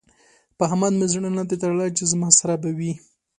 په احمد مې زړه نه دی تړلی چې زما سره به وي.